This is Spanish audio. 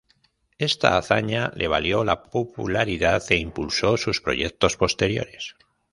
Esta hazaña, le valió la popularidad e impulsó sus proyectos posteriores.